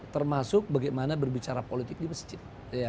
termasuk bagaimana berbicara politik di masjid